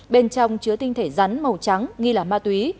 bên trong chứa tinh thể rắn màu trắng nghi là ma túy